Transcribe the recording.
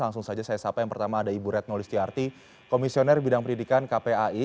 langsung saja saya sapa yang pertama ada ibu retno listiarti komisioner bidang pendidikan kpai